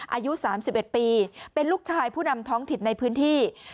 อายุ๓๑ปีเป็นลูกชายผู้นำท้องถิ่นในพื้นที่